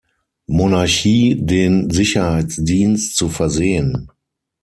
Monarchie den Sicherheitsdienst zu versehen.